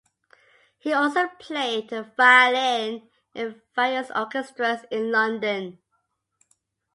He also played the violin in various orchestras in London.